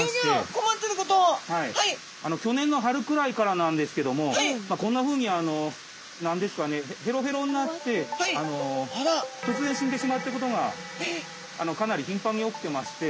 去年の春くらいからなんですけどもこんなふうに何ですかねへろへろになって突然死んでしまってることがかなりひんぱんに起きてまして。